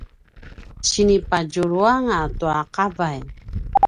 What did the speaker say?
sinipadjuluanga tua qavay